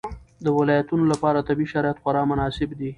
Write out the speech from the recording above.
د ولایتونو لپاره طبیعي شرایط خورا مناسب دي.